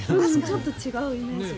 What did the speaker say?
ちょっと違うイメージが。